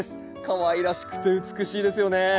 かわいらしくて美しいですよね。